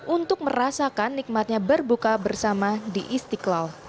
untuk merasakan nikmatnya berbuka bersama di istiqlal